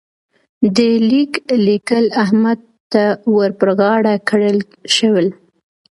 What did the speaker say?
د ليک لیکل احمد ته ور پر غاړه کړل شول.